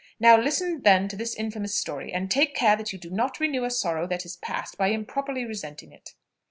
Now listen then to this infamous story, and take care that you do not renew a sorrow that is past, by improperly resenting it."